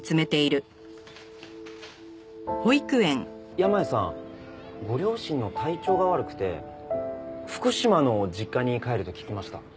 山家さんご両親の体調が悪くて福島の実家に帰ると聞きました。